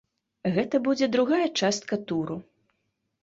Гэта будзе другая частка туру.